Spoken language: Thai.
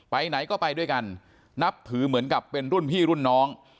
ไปไหนก็ไปด้วยกันนับถือเหมือนกับเป็นรุ่นพี่รุ่นน้อง